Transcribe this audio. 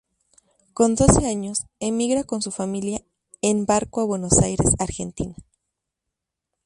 Con doce años, emigra con su familia en barco a Buenos Aires, Argentina.